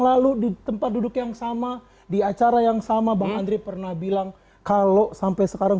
lalu di tempat duduk yang sama di acara yang sama bang andri pernah bilang kalau sampai sekarang